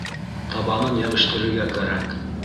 Табанын йәбештерергә кәрәк